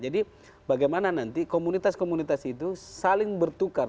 jadi bagaimana nanti komunitas komunitas itu saling bertukar